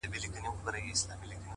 هوښیار انتخابونه روښانه پایلې راوړي.!